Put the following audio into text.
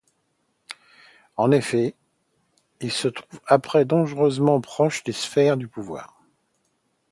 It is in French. En effet, il se trouve être dangereusement proche des sphères du pouvoir.